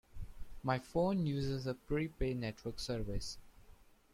My phone uses a prepay network service.